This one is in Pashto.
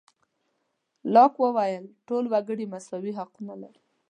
لاک وویل ټول وګړي مساوي حقونه لري.